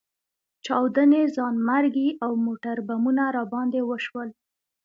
چاودنې، ځانمرګي او موټربمونه راباندې وشول.